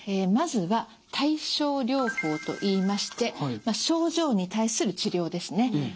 まずは対症療法といいまして症状に対する治療ですね。